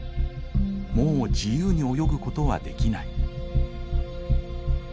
もう自由に泳ぐことはできない。